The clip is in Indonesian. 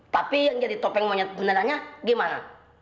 tapi yang jadi topeng monyet bundarannya gimana